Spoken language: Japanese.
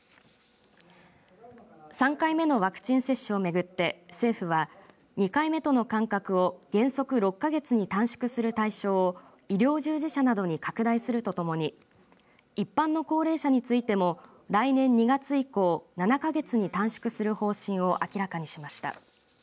３回目のワクチン接種をめぐって政府は、２回目との間隔を原則６か月に短縮する対象を医療従事者などに拡大するとともに一般の高齢者についても来年２月以降７か月に短縮する方針を明らかにしました。